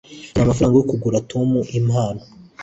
nkeneye amafaranga yo kugura tom impano